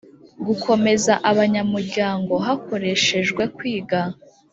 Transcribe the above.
Gukomeza abanyamuryango hakoreshejwe kwiga